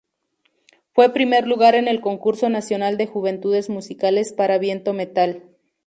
Fue primer lugar en el Concurso Nacional de Juventudes Musicales para viento metal.